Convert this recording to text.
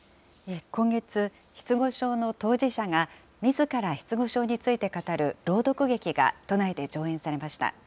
今月、失語症の当事者が、みずから失語症について語る朗読劇が都内で上演されました。